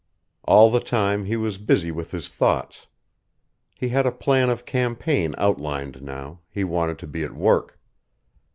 All the time he was busy with his thoughts. He had a plan of campaign outlined now; he wanted to be at work.